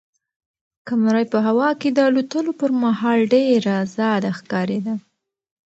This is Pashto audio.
قمرۍ په هوا کې د الوتلو پر مهال ډېره ازاده ښکارېده.